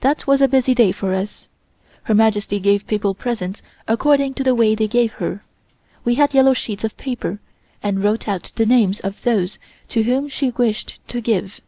That was a busy day for us. Her Majesty gave people presents according to the way they gave her. We had yellow sheets of paper and wrote out the names of those to whom she wished to give.